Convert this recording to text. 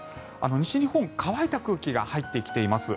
西日本乾いた空気が入ってきています。